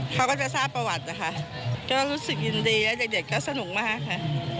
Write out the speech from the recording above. เขาก็จะทราบประวัตินะคะก็รู้สึกยินดีและเด็กก็สนุกมากค่ะ